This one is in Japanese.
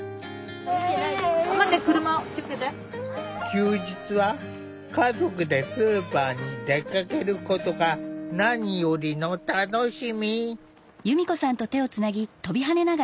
休日は家族でスーパーに出かけることが何よりの楽しみ。